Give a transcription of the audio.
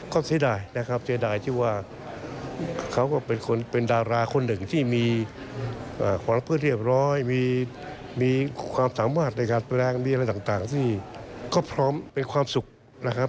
ก็เสียดายนะครับเสียดายที่ว่าเขาก็เป็นคนเป็นดาราคนหนึ่งที่มีความรักเพื่อเรียบร้อยมีความสามารถในการแปลงมีอะไรต่างที่ก็พร้อมเป็นความสุขนะครับ